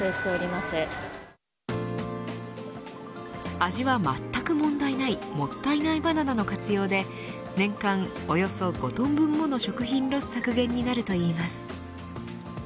味はまったく問題ないもったいないバナナの活用で年間およそ５トン分もの食品ロス削減になるといいます。